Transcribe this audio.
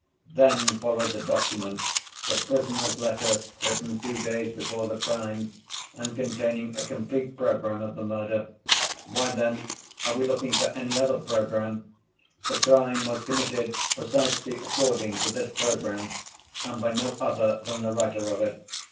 "Then followed the document, the prisoner's letter written two days before the crime, and containing a complete program of the murder. Why, then, are we looking for any other program? The crime was committed precisely according to this program, and by no other than the writer of it.